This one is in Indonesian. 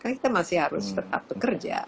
karena kita masih harus tetap bekerja